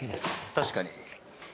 確かに。